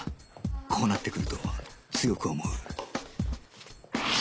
こうなってくると強く思う